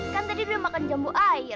kan tadi dia makan jambu air